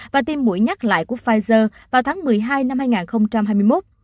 với mũi nhắc lại của pfizer vào tháng một mươi hai năm hai nghìn hai mươi một